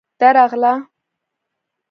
_درغله.